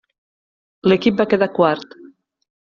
L'equip va quedar quart.